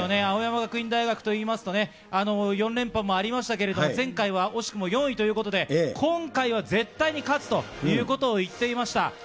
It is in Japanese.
青山学院大学といいますとね、４連覇もありましたけれども、前回は惜しくも４位ということで、今回は絶対に勝つということを言っていました。